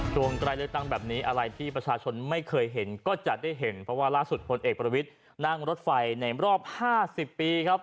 ตรงใกล้เลือกตั้งแบบนี้อะไรที่ประชาชนไม่เคยเห็นก็จะได้เห็นเพราะว่าล่าสุดพลเอกประวิทย์นั่งรถไฟในรอบ๕๐ปีครับ